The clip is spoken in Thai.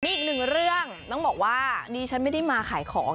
อีกหนึ่งเรื่องต้องบอกว่าดิฉันไม่ได้มาขายของ